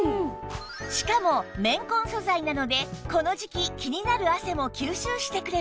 しかも綿混素材なのでこの時期気になる汗も吸収してくれます